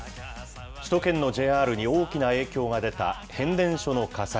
首都圏のＪＲに大きな影響が出た変電所の火災。